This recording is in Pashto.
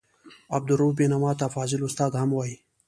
عبدالرؤف بېنوا ته فاضل استاد هم وايي.